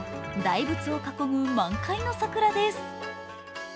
大仏を囲む満開の桜です。